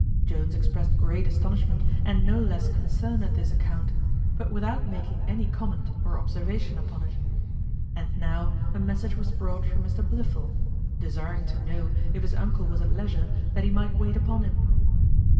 Jones expressed great astonishment and no less concern at this account, but without making any comment or observation upon it. And now a message was brought from Mr Blifil, desiring to know if his uncle was at leisure that he might wait upon him.